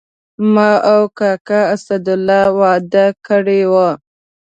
ما او کاکا اسدالله وعده کړې وه.